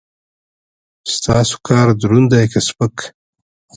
ستاسو کار دروند دی که سپک؟